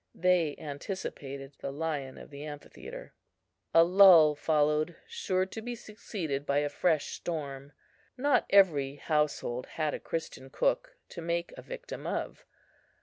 They anticipated the lion of the amphitheatre. A lull followed, sure to be succeeded by a fresh storm. Not every household had a Christian cook to make a victim of.